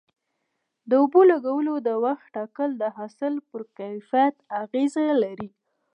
د اوبو لګولو د وخت ټاکل د حاصل پر کیفیت اغیزه لري.